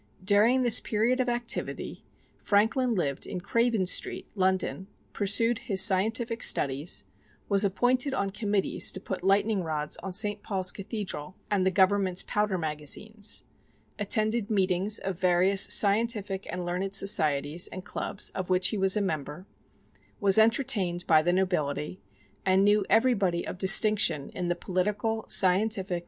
During this period of activity Franklin lived in Craven Street, London, pursued his scientific studies, was appointed on committees to put lightning rods on St. Paul's Cathedral and the government's powder magazines, attended meetings of various scientific and learned societies and clubs of which he was a member, was entertained by the nobility, and knew everybody of distinction in the political, scientific, artistic, and literary worlds.